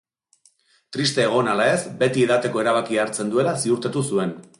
Triste egon ala ez, beti edateko erabakia hartzen duela ziurtatu zuen.